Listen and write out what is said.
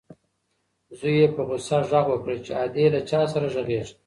زوی یې په غوسه غږ وکړ چې ادې له چا سره غږېږې؟